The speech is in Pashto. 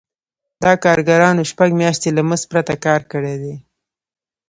دا کارګرانو شپږ میاشتې له مزد پرته کار کړی دی